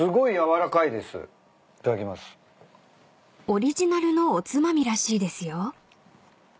［オリジナルのおつまみらしいですよ］